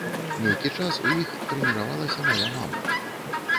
Нейкі час у іх трэніравалася мая мама.